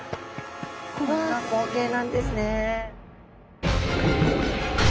こんな光景なんですね。